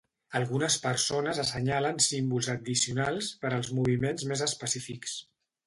Algunes persones assenyalen símbols addicionals per als moviments més específics.